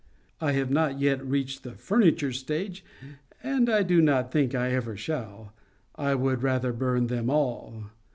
I have not yet reached the furniture stage, and I do not think I ever shall. I would rather burn them all.